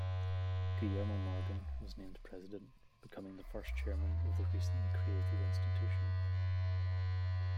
Guillermo Morgan was named president, becoming the first chairman of the recently created institution.